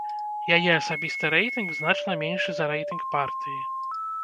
Яе асабісты рэйтынг значна меншы за рэйтынг партыі.